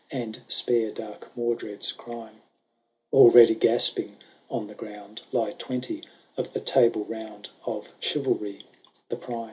And spare dark Mordred'b crime ; Already gasping on the ground Lie twenty of the Table Round, Of chivalry the prime.'